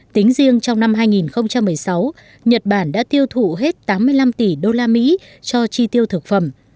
tính riêng trong năm hai nghìn một mươi sáu nhật bản đã tiêu thụ hết tám mươi năm tỷ usd cho chi tiêu thực phẩm